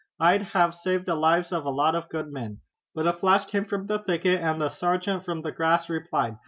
I'd have saved the lives of a lot of good men." But a flash came from the thicket, and the sergeant from the grass replied.